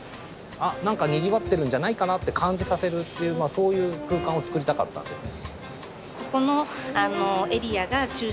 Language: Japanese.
何かにぎわってるんじゃないかなって感じさせるというそういう空間を作りたかったんですね。